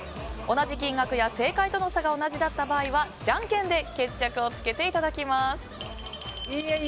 同じ金額や正解との差が同じ場合はじゃんけんで決着をつけていただきます。